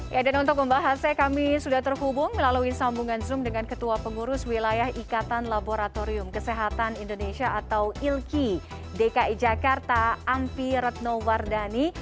ya dan untuk membahasnya kami sudah terhubung melalui sambungan zoom dengan ketua pengurus wilayah ikatan laboratorium kesehatan indonesia atau ilki dki jakarta ampi retno wardani